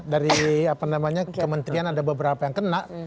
dari apa namanya kementerian ada beberapa yang kena